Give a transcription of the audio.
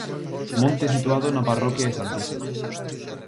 Monte situado na parroquia de Santiso.